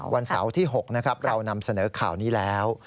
วันเสาร์ที่๖นะครับเรานำเสนอข่าวนี้แล้ว